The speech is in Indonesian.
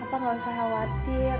papa gak usah khawatir